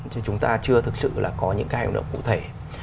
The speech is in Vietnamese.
chứ chúng ta chưa thực sự là có những cái ưu đãi cụ thể